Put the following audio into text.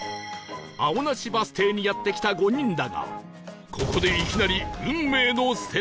青梨バス停にやって来た５人だがここでいきなり